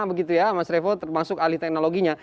begitu ya mas revo termasuk alih teknologinya